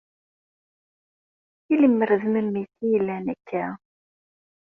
I lemmer d memmi-k ay yellan akka?